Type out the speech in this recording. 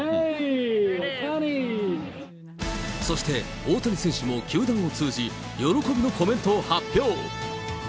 そして、大谷選手も球団を通じ、喜びのコメントを発表。